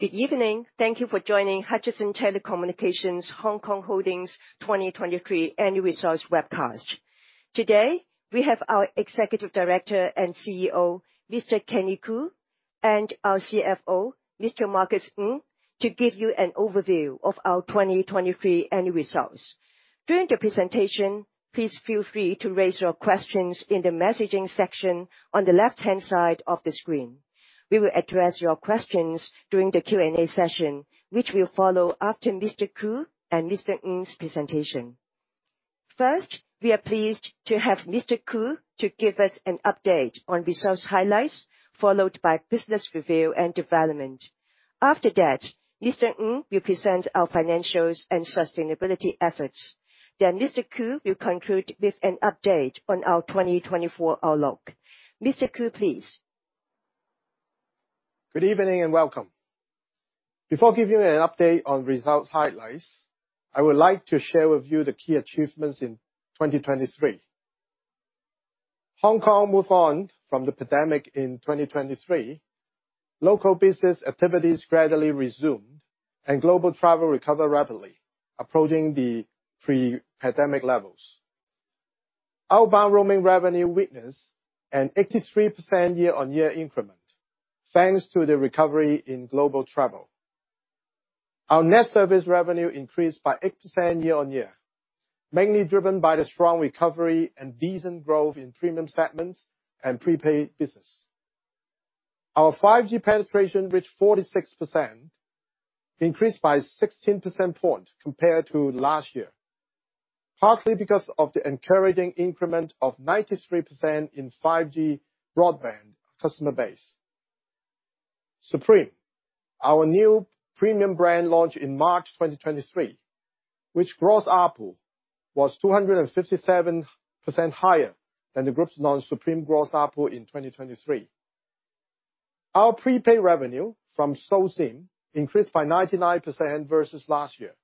Good evening. Thank you for joining Hutchison Telecommunications Hong Kong Holdings 2023 annual results webcast. Today, we have our Executive Director and CEO, Mr. Kenny Koo, and our CFO, Mr. Marcus Ng, to give you an overview of our 2023 annual results. During the presentation, please feel free to raise your questions in the messaging section on the left-hand side of the screen. We will address your questions during the Q&A session, which will follow after Mr. Koo and Mr. Ng's presentation. First, we are pleased to have Mr. Koo to give us an update on results highlights, followed by business review and development. After that, Mr. Ng will present our financials and sustainability efforts. Then Mr. Koo will conclude with an update on our 2024 outlook. Mr. Koo, please. Good evening, and welcome. Before giving you an update on results highlights, I would like to share with you the key achievements in 2023. Hong Kong moved on from the pandemic in 2023. Local business activities gradually resumed, and global travel recovered rapidly, approaching the pre-pandemic levels. Outbound roaming revenue witnessed an 83% year-on-year increment, thanks to the recovery in global travel. Our net service revenue increased by 8% year-on-year, mainly driven by the strong recovery and decent growth in premium segments and prepaid business. Our 5G penetration reached 46%, increased by 16 percentage points compared to last year, partly because of the encouraging increment of 93% in 5G broadband customer base. SUPREME, our new premium brand, launched in March 2023, which gross ARPU was 257% higher than the group's non-SUPREME gross ARPU in 2023. Our prepaid revenue from SoSIM increased by 99% versus last year,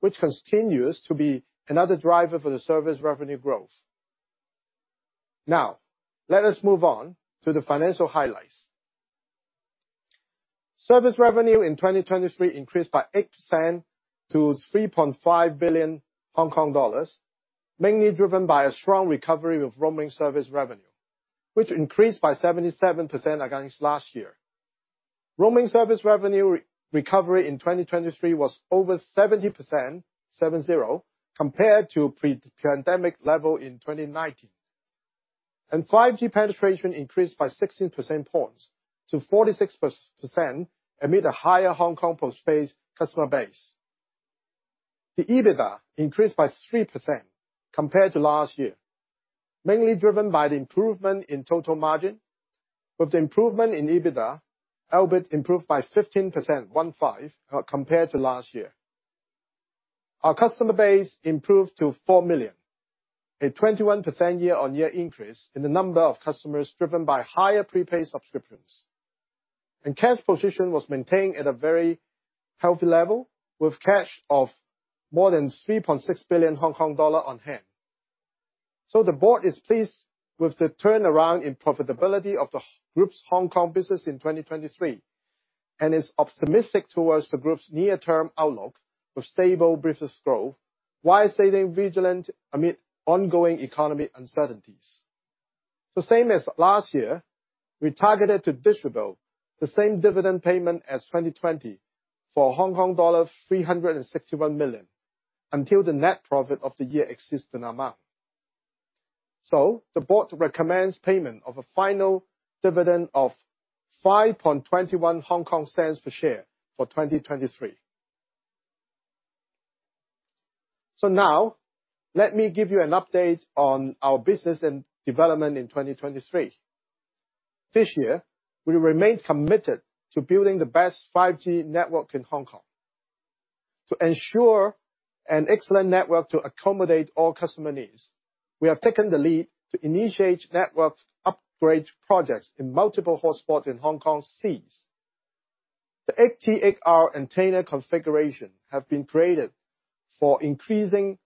which continues to be another driver for the service revenue growth. Now, let us move on to the financial highlights. Service revenue in 2023 increased by 8% to 3.5 billion Hong Kong dollars, mainly driven by a strong recovery of roaming service revenue, which increased by 77% against last year. Roaming service revenue recovery in 2023 was over 70%, 70, compared to pre-pandemic level in 2019. 5G penetration increased by 16 percentage points to 46% amid a higher Hong Kong postpaid customer base. The EBITDA increased by 3% compared to last year, mainly driven by the improvement in total margin. With the improvement in EBITDA, EBIT improved by 15%, 15, compared to last year. Our customer base improved to 4 million, a 21% year-on-year increase in the number of customers, driven by higher prepaid subscriptions. Cash position was maintained at a very healthy level, with cash of more than 3.6 billion Hong Kong dollar on hand. The board is pleased with the turnaround in profitability of the Group's Hong Kong business in 2023, and is optimistic towards the Group's near-term outlook of stable business growth, while staying vigilant amid ongoing economic uncertainties. The same as last year, we targeted to distribute the same dividend payment as 2020 for Hong Kong dollar 361 million until the net profit of the year exceeds the amount. The board recommends payment of a final dividend of 0.0521 HKD per share for 2023. So now, let me give you an update on our business and development in 2023. This year, we remain committed to building the best 5G network in Hong Kong. To ensure an excellent network to accommodate all customer needs, we have taken the lead to initiate network upgrade projects in multiple hotspots in Hong Kong seas. The 8T8R antenna configuration have been created for increasing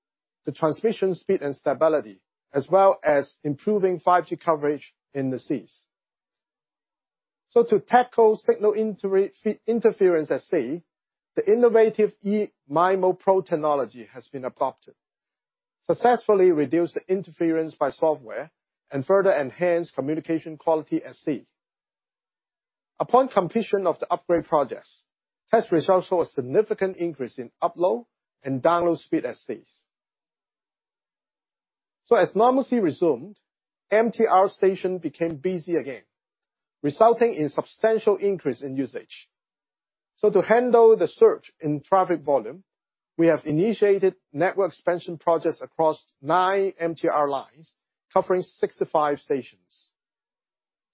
the transmission speed and stability, as well as improving 5G coverage in the seas. So to tackle signal interference at sea, the innovative eMIMO Pro technology has been adopted. Successfully reduced the interference by software and further enhance communication quality at sea. Upon completion of the upgrade projects, test results show a significant increase in upload and download speed at seas. So as normalcy resumed, MTR station became busy again, resulting in substantial increase in usage. So to handle the surge in traffic volume, we have initiated network expansion projects across nine MTR lines, covering 65 stations.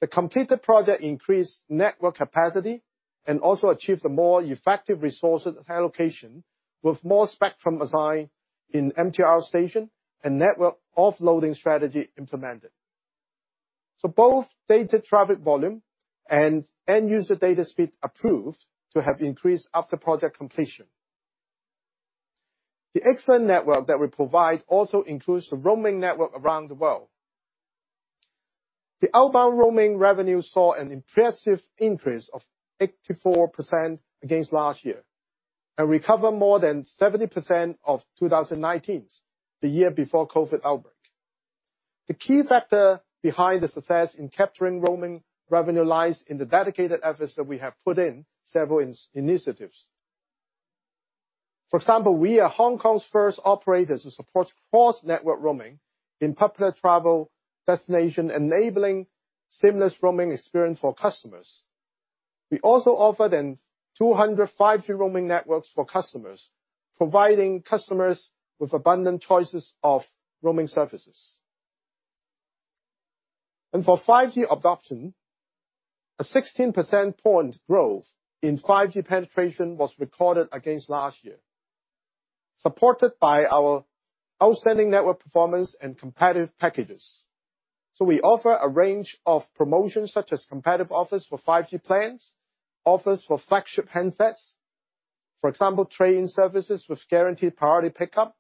The completed project increased network capacity and also achieved a more effective resource allocation, with more spectrum assigned in MTR station and network offloading strategy implemented. So both data traffic volume and end user data speed proved to have increased after project completion. The excellent network that we provide also includes the roaming network around the world. The outbound roaming revenue saw an impressive increase of 84% against last year, and recovered more than 70% of 2019's, the year before COVID outbreak. The key factor behind the success in capturing roaming revenue lies in the dedicated efforts that we have put in several initiatives. For example, we are Hong Kong's first operator to support cross-network roaming in popular travel destination, enabling seamless roaming experience for customers. We also offered them 200 5G roaming networks for customers, providing customers with abundant choices of roaming services. For 5G adoption, a 16 percentage point growth in 5G penetration was recorded against last year, supported by our outstanding network performance and competitive packages. We offer a range of promotions, such as competitive offers for 5G plans, offers for flagship handsets. For example, trade-in services with guaranteed priority pickup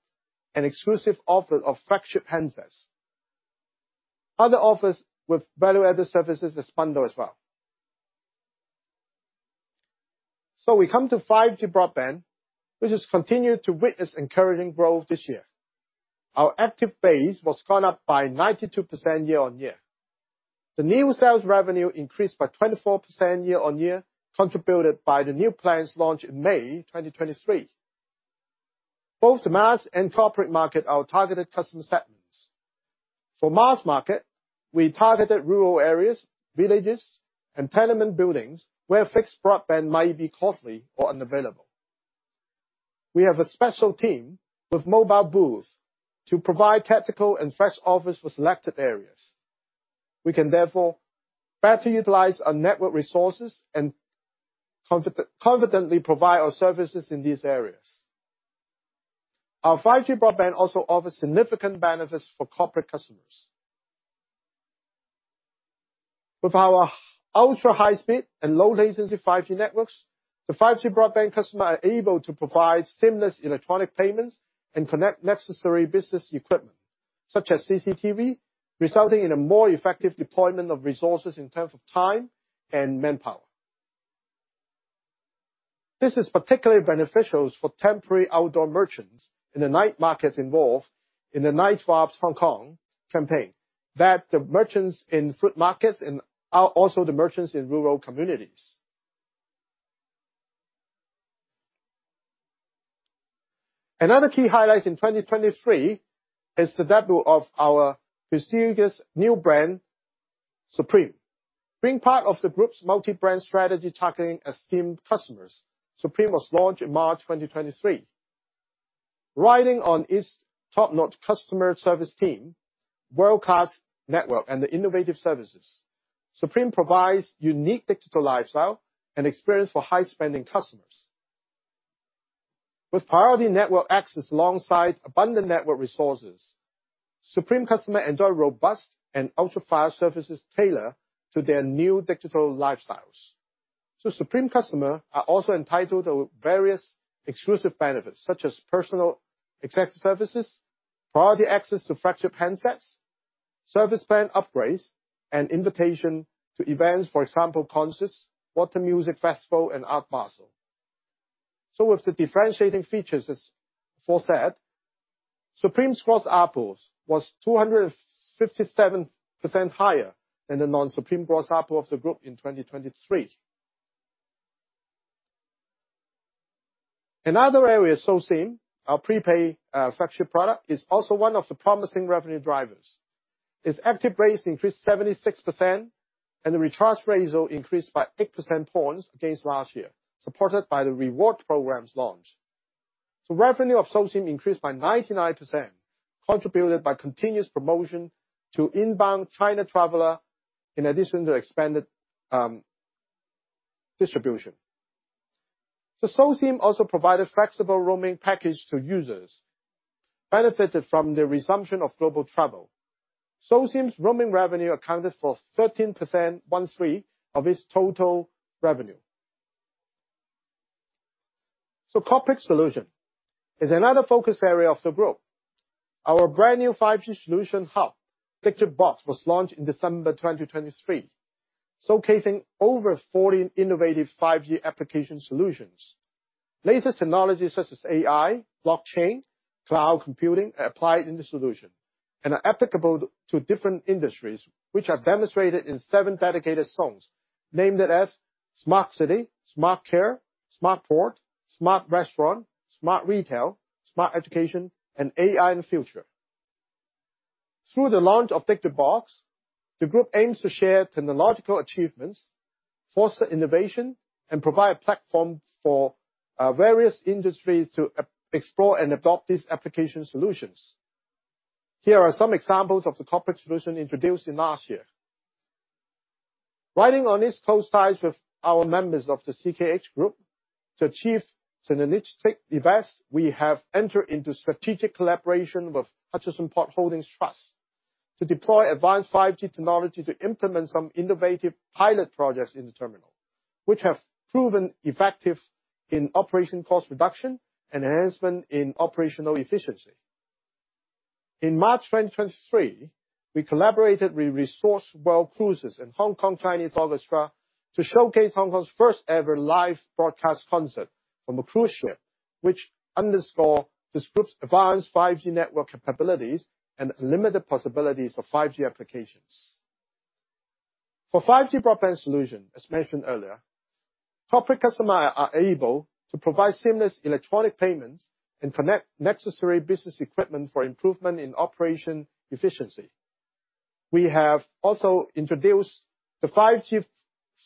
and exclusive offer of flagship handsets. Other offers with value-added services as bundle as well. We come to 5G broadband, which has continued to witness encouraging growth this year. Our active base was gone up by 92% year-on-year. The new sales revenue increased by 24% year-on-year, contributed by the new plans launched in May 2023. Both the mass and corporate market are targeted customer segments. For mass market, we targeted rural areas, villages, and tenement buildings, where fixed broadband might be costly or unavailable. We have a special team with mobile booths to provide tactical and fresh offers for selected areas. We can therefore better utilize our network resources and confidently provide our services in these areas. Our 5G broadband also offers significant benefits for corporate customers. With our ultra-high speed and low latency 5G networks, the 5G broadband customer are able to provide seamless electronic payments and connect necessary business equipment, such as CCTV, resulting in a more effective deployment of resources in terms of time and manpower. This is particularly beneficial for temporary outdoor merchants in the night markets involved in the Night Vibes Hong Kong campaign. That the merchants in fruit markets and are also the merchants in rural communities. Another key highlight in 2023 is the debut of our prestigious new brand, SUPREME. Being part of the group's multi-brand strategy targeting esteemed customers, SUPREME was launched in March 2023. Riding on its top-notch customer service team, world-class network, and the innovative services, SUPREME provides unique digital lifestyle and experience for high-spending customers. With priority network access alongside abundant network resources, SUPREME customer enjoy robust and ultra-fast services tailored to their new digital lifestyles. So SUPREME customer are also entitled to various exclusive benefits, such as personal executive services, priority access to flagship handsets, service plan upgrades, and invitation to events, for example, concerts, water music festival, and Art parcel. So with the differentiating features, as aforesaid, SUPREME's gross ARPU was 257% higher than the non-SUPREME gross ARPU of the group in 2023. Another area, SoSIM, our prepaid flagship product, is also one of the promising revenue drivers. Its active base increased 76%, and the recharge ratio increased by 8 percentage points against last year, supported by the reward programs launch. So revenue of SoSIM increased by 99%, contributed by continuous promotion to inbound China traveler, in addition to expanded distribution. So SoSIM also provided flexible roaming package to users. Benefited from the resumption of global travel, SoSIM's roaming revenue accounted for 13% of its total revenue. So corporate solution is another focus area of the group. Our brand-new 5G solution hub, DIGIBox, was launched in December 2023, showcasing over 40 innovative 5G application solutions. Latest technologies such as AI, blockchain, cloud computing, are applied in the solution and are applicable to different industries, which are demonstrated in seven dedicated zones, named it as Smart City, Smart Care, Smart Port, Smart Restaurant, Smart Retail, Smart Education, and AI in the Future. Through the launch of DIGIBox, the group aims to share technological achievements, foster innovation, and provide a platform for various industries to explore and adopt these application solutions. Here are some examples of the corporate solution introduced in last year. Riding on this close ties with our members of the CKH Group to achieve synergistic device, we have entered into strategic collaboration with Hutchison Port Holdings Trust to deploy advanced 5G technology to implement some innovative pilot projects in the terminal, which have proven effective in operation cost reduction and enhancement in operational efficiency. In March 2023, we collaborated with Resorts World Cruises and Hong Kong Chinese Orchestra to showcase Hong Kong's first ever live broadcast concert from a cruise ship, which underscore the group's advanced 5G network capabilities and unlimited possibilities for 5G applications. For 5G broadband solution, as mentioned earlier, corporate customer are able to provide seamless electronic payments and connect necessary business equipment for improvement in operation efficiency. We have also introduced the 5G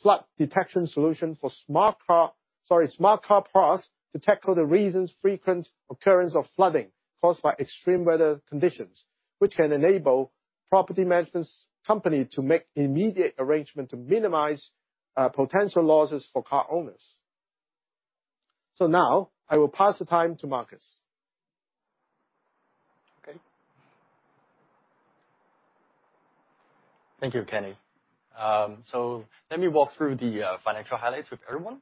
flood detection solution for smart car, sorry, smart car parks, to tackle the recent frequent occurrence of flooding caused by extreme weather conditions, which can enable property management company to make immediate arrangement to minimize potential losses for car owners. So now, I will pass the time to Marcus. Okay. Thank you, Kenny. So let me walk through the financial highlights with everyone.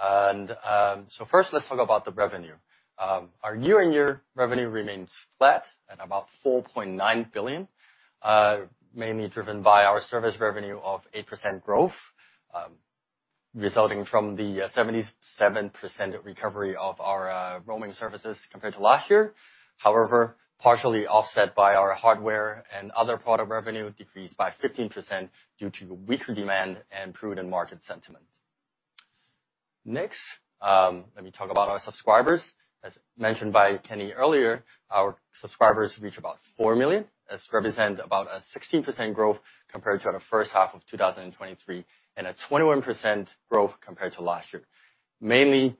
So first, let's talk about the revenue. Our year-on-year revenue remains flat at about 4.9 billion, mainly driven by our service revenue of 8% growth, resulting from the 77% recovery of our roaming services compared to last year. However, partially offset by our hardware and other product revenue decreased by 15% due to weaker demand and prudent market sentiment. Next, let me talk about our subscribers. As mentioned by Kenny earlier, our subscribers reach about 4 million, as represent about a 16% growth compared to the first half of 2023, and a 21% growth compared to last year. Mainly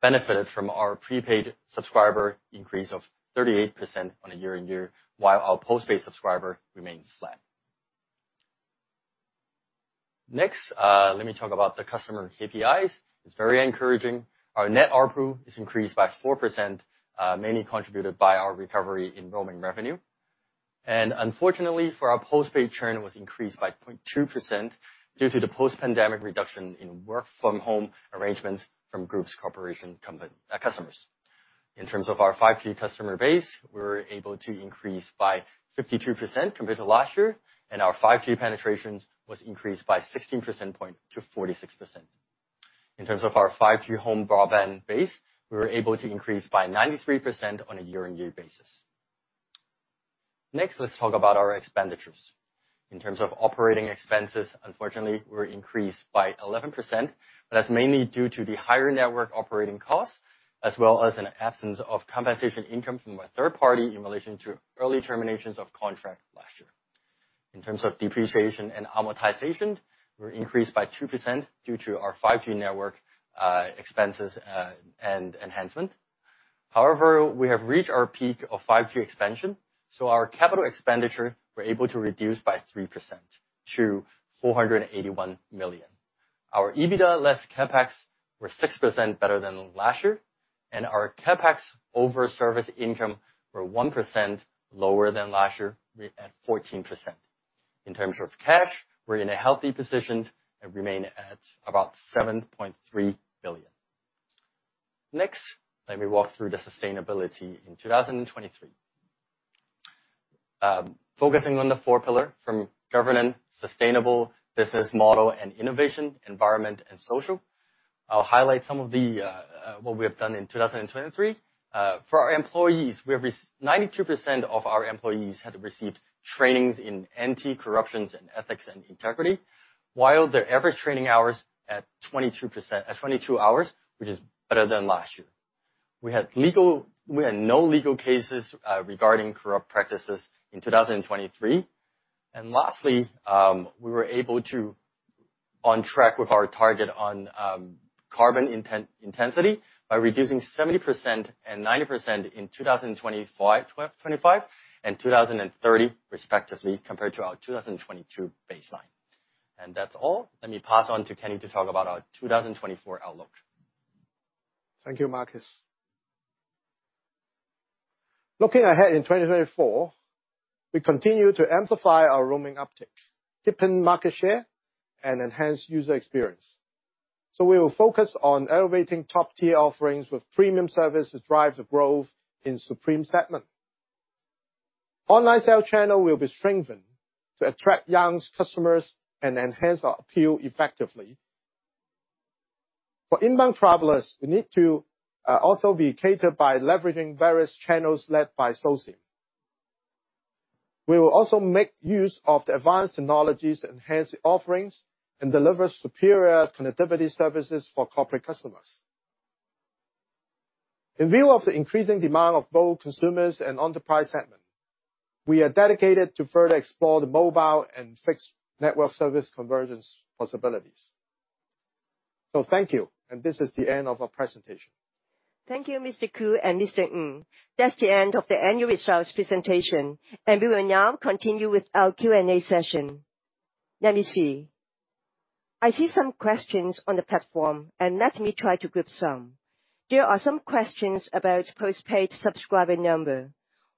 benefited from our prepaid subscriber increase of 38% year-over-year, while our postpaid subscriber remains flat. Next, let me talk about the customer KPIs. It's very encouraging. Our net ARPU is increased by 4%, mainly contributed by our recovery in roaming revenue. Unfortunately, our postpaid churn was increased by 0.2% due to the post-pandemic reduction in work-from-home arrangements from groups, corporation company, customers. In terms of our 5G customer base, we're able to increase by 52% compared to last year, and our 5G penetrations was increased by 16 percentage points to 46%. In terms of our 5G home broadband base, we were able to increase by 93% year-over-year. Next, let's talk about our expenditures. In terms of operating expenses, unfortunately, were increased by 11%, but that's mainly due to the higher network operating costs, as well as an absence of compensation income from a third party in relation to early terminations of contract last year. In terms of depreciation and amortization, were increased by 2% due to our 5G network, expenses, and enhancement. However, we have reached our peak of 5G expansion, so our capital expenditure, we're able to reduce by 3% to 481 million. Our EBITDA less CapEx were 6% better than last year, and our CapEx over service income were 1% lower than last year, at 14%. In terms of cash, we're in a healthy position and remain at about 7.3 billion. Next, let me walk through the sustainability in 2023. Focusing on the four pillars from governance, sustainable business model and innovation, environment and social, I'll highlight some of what we have done in 2023. For our employees, 92% of our employees had received training in anti-corruption and ethics and integrity, while their average training hours at 22 hours, which is better than last year. We had no legal cases regarding corrupt practices in 2023. Lastly, we were able to on track with our target on carbon intensity by reducing 70% and 90% in 2025 and 2030, respectively, compared to our 2022 baseline. That's all. Let me pass on to Kenny to talk about our 2024 outlook. Thank you, Marcus. Looking ahead in 2024, we continue to amplify our roaming uptake, deepen market share, and enhance user experience. So we will focus on elevating top-tier offerings with premium service to drive the growth in SUPREME segment. Online sale channel will be strengthened to attract young customers and enhance our appeal effectively. For inbound travelers, we need to also be catered by leveraging various channels led by SoSIM. We will also make use of the advanced technologies to enhance the offerings and deliver superior connectivity services for corporate customers. In view of the increasing demand of both consumers and enterprise segment, we are dedicated to further explore the mobile and fixed network service convergence possibilities. So thank you, and this is the end of our presentation. Thank you, Mr. Koo and Mr. Ng. That's the end of the annual results presentation, and we will now continue with our Q&A session. Let me see. I see some questions on the platform, and let me try to group some. There are some questions about postpaid subscriber number.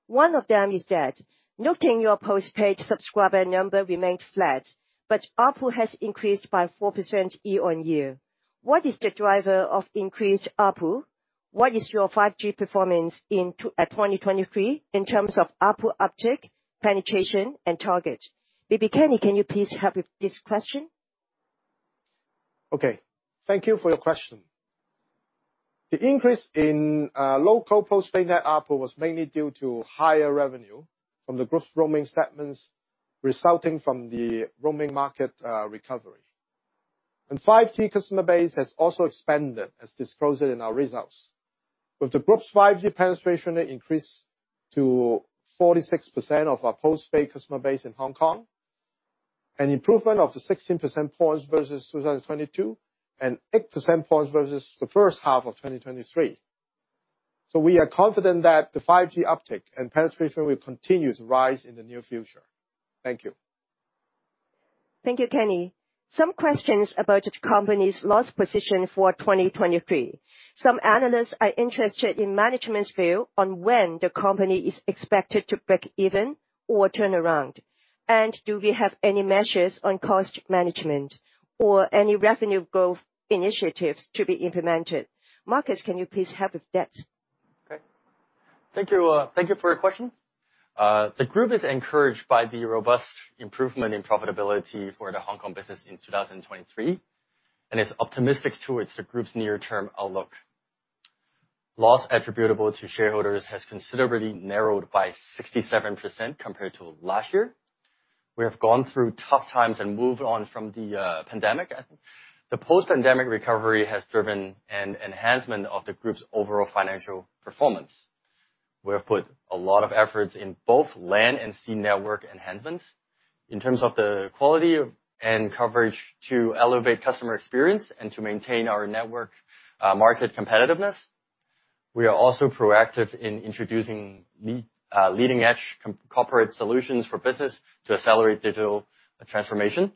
One of them is that, noting your postpaid subscriber number remained flat, but ARPU has increased by 4% year-on-year. What is the driver of increased ARPU? What is your 5G performance in 2023 in terms of ARPU uptick, penetration, and target? Maybe Kenny, can you please help with this question? Okay, thank you for your question. The increase in local postpaid ARPU was mainly due to higher revenue from the group's roaming segments, resulting from the roaming market recovery. And 5G customer base has also expanded, as disclosed in our results. With the group's 5G penetration increase to 46% of our postpaid customer base in Hong Kong, an improvement of the 16 percentage points versus 2022, and 8 percentage points versus the first half of 2023. So we are confident that the 5G uptick and penetration will continue to rise in the near future. Thank you. Thank you, Kenny. Some questions about the company's loss position for 2023. Some analysts are interested in management's view on when the company is expected to break even or turn around. And do we have any measures on cost management or any revenue growth initiatives to be implemented? Marcus, can you please help with that? Okay. Thank you, thank you for your question. The group is encouraged by the robust improvement in profitability for the Hong Kong business in 2023, and is optimistic towards the group's near-term outlook. Loss attributable to shareholders has considerably narrowed by 67% compared to last year. We have gone through tough times and moved on from the pandemic. The post-pandemic recovery has driven an enhancement of the group's overall financial performance. We have put a lot of efforts in both land and sea network enhancements in terms of the quality of and coverage to elevate customer experience and to maintain our network market competitiveness. We are also proactive in introducing leading-edge corporate solutions for business to accelerate digital transformation.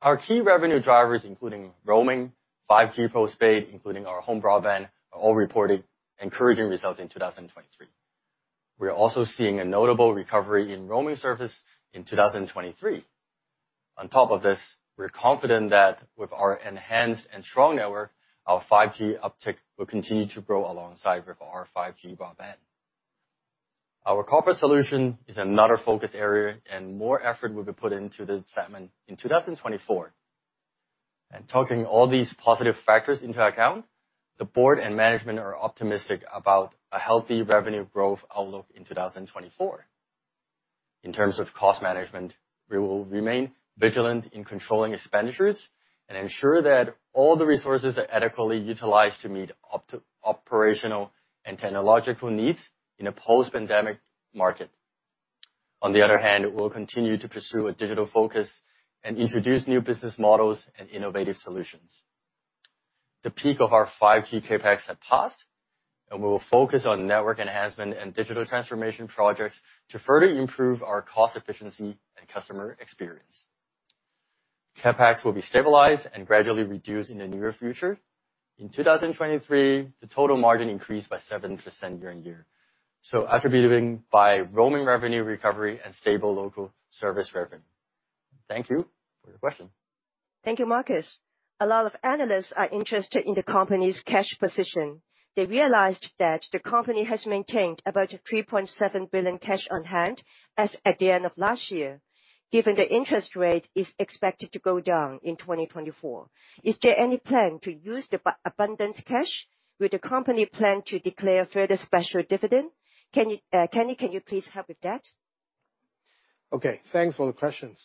Our key revenue drivers, including roaming, 5G postpaid, including our home broadband, are all reported encouraging results in 2023. We are also seeing a notable recovery in roaming service in 2023. On top of this, we're confident that with our enhanced and strong network, our 5G uptick will continue to grow alongside with our 5G broadband. Our corporate solution is another focus area, and more effort will be put into this segment in 2024. And taking all these positive factors into account, the board and management are optimistic about a healthy revenue growth outlook in 2024. In terms of cost management, we will remain vigilant in controlling expenditures and ensure that all the resources are adequately utilized to meet operational and technological needs in a post-pandemic market. On the other hand, we'll continue to pursue a digital focus and introduce new business models and innovative solutions. The peak of our 5G CapEx has passed, and we will focus on network enhancement and digital transformation projects to further improve our cost efficiency and customer experience. CapEx will be stabilized and gradually reduced in the near future. In 2023, the total margin increased by 7% year-over-year, so attributable by roaming revenue recovery and stable local service revenue. Thank you for your question. Thank you, Marcus. A lot of analysts are interested in the company's cash position. They realized that the company has maintained about 3.7 billion cash on hand as at the end of last year. Given the interest rate is expected to go down in 2024, is there any plan to use the abundant cash? Will the company plan to declare further special dividend? Can you... Kenny, can you please help with that? Okay, thanks for the questions.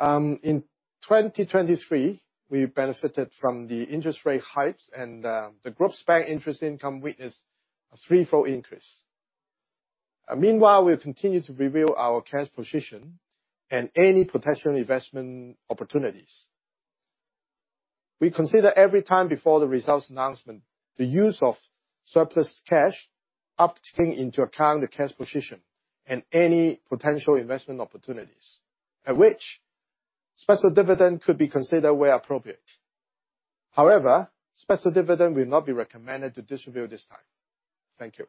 In 2023, we benefited from the interest rate hikes, and the group's bank interest income witnessed a threefold increase. Meanwhile, we'll continue to review our cash position and any potential investment opportunities. We consider every time before the results announcement, the use of surplus cash, taking into account the cash position and any potential investment opportunities, at which special dividend could be considered where appropriate. However, special dividend will not be recommended to distribute at this time. Thank you.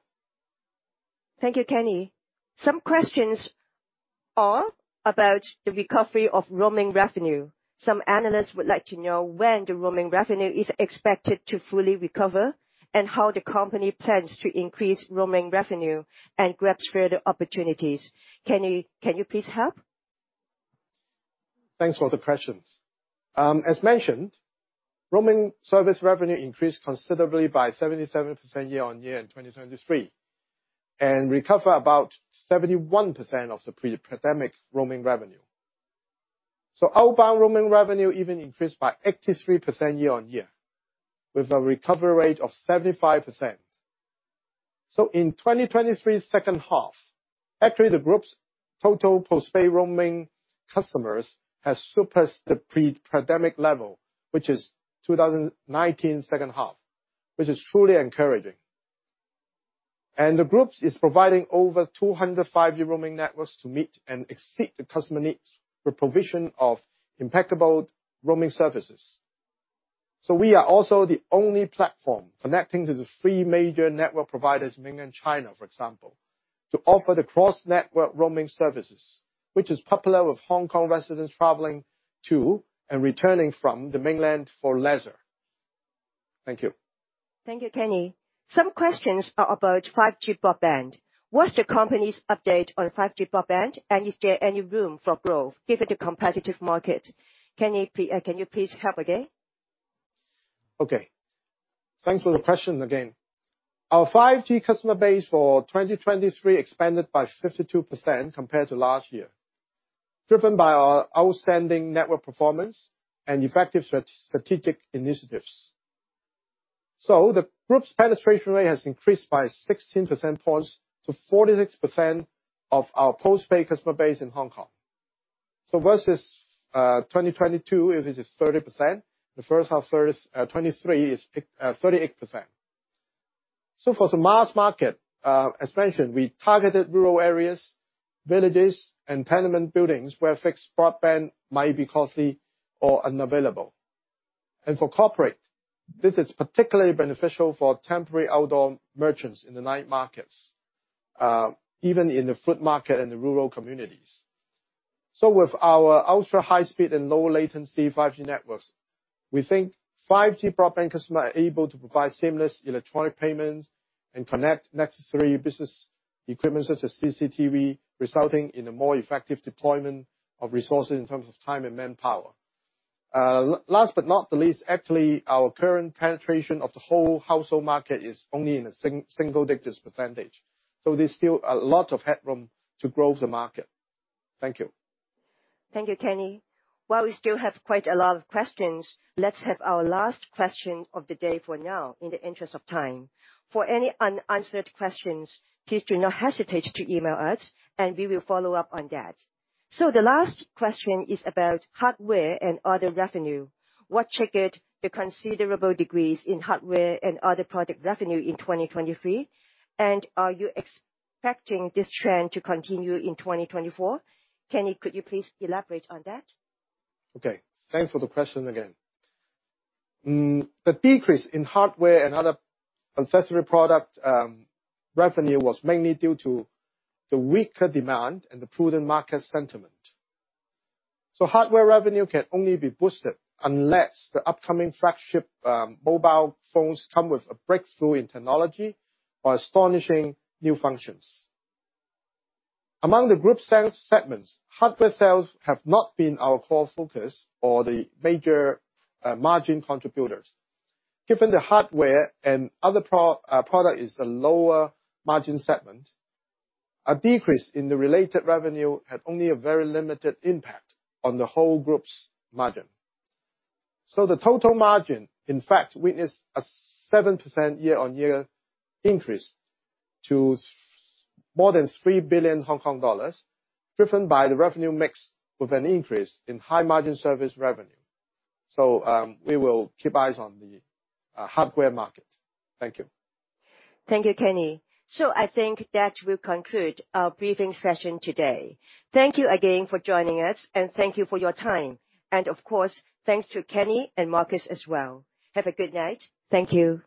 Thank you, Kenny. Some questions are about the recovery of roaming revenue. Some analysts would like to know when the roaming revenue is expected to fully recover, and how the company plans to increase roaming revenue and grab further opportunities. Kenny, can you please help? Thanks for the questions. As mentioned, roaming service revenue increased considerably by 77% year-on-year in 2023, and recovered about 71% of the pre-pandemic roaming revenue. So outbound roaming revenue even increased by 83% year-on-year, with a recovery rate of 75%. So in 2023's second half, actually, the group's total postpaid roaming customers has surpassed the pre-pandemic level, which is 2019's second half, which is truly encouraging. And the group is providing over 200 5-year roaming networks to meet and exceed the customer needs for provision of impeccable roaming services. So we are also the only platform connecting to the three major network providers in Mainland China, for example, to offer the cross-network roaming services, which is popular with Hong Kong residents traveling to and returning from the Mainland for leisure. Thank you. Thank you, Kenny. Some questions are about 5G broadband. What's the company's update on 5G broadband, and is there any room for growth given the competitive market? Kenny, can you please help again? Okay. Thanks for the question again. Our 5G customer base for 2023 expanded by 52% compared to last year, driven by our outstanding network performance and effective strategic initiatives. The group's penetration rate has increased by 16 percentage points to 46% of our postpaid customer base in Hong Kong. Versus 2022, it is just 30%. The first half 2023 is 38%. For the mass market, as mentioned, we targeted rural areas, villages, and tenement buildings where fixed broadband might be costly or unavailable. For corporate, this is particularly beneficial for temporary outdoor merchants in the night markets, even in the food market and the rural communities. So with our ultra-high speed and low latency 5G networks, we think 5G broadband customer are able to provide seamless electronic payments and connect necessary business equipment, such as CCTV, resulting in a more effective deployment of resources in terms of time and manpower. Last but not the least, actually, our current penetration of the whole household market is only in a single digits percentage, so there's still a lot of headroom to grow the market. Thank you. Thank you, Kenny. While we still have quite a lot of questions, let's have our last question of the day for now, in the interest of time. For any unanswered questions, please do not hesitate to email us, and we will follow up on that. So the last question is about hardware and other revenue. What triggered the considerable decrease in hardware and other product revenue in 2023, and are you expecting this trend to continue in 2024? Kenny, could you please elaborate on that? Okay. Thanks for the question again. The decrease in hardware and other accessory product revenue was mainly due to the weaker demand and the prudent market sentiment. So hardware revenue can only be boosted unless the upcoming flagship mobile phones come with a breakthrough in technology or astonishing new functions. Among the group sales segments, hardware sales have not been our core focus or the major margin contributors. Given the hardware and other product is a lower margin segment, a decrease in the related revenue had only a very limited impact on the whole group's margin. So the total margin, in fact, witnessed a 7% year-on-year increase to more than 3 billion Hong Kong dollars, driven by the revenue mix with an increase in high-margin service revenue. So, we will keep eyes on the hardware market. Thank you. Thank you, Kenny. I think that will conclude our briefing session today. Thank you again for joining us, and thank you for your time. Of course, thanks to Kenny and Marcus as well. Have a good night. Thank you.